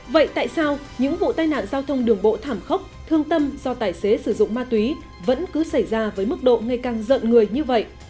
vậy tại sao những vụ tai nạn giao thông đường bộ thảm khốc thương tâm do tài xế sử dụng ma túy vẫn cứ xảy ra với mức độ ngày càng dận người như vậy